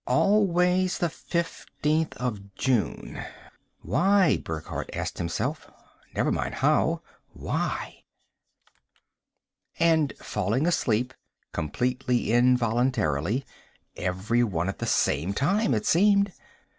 Always the fifteenth of June. Why? Burckhardt asked himself. Never mind the how. Why? And falling asleep, completely involuntarily everyone at the same time, it seemed.